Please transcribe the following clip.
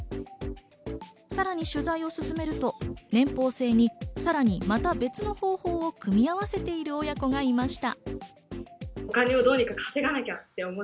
さらに取材を進めると年俸制にさらに、また別の方法を組み合わせている親子がいました。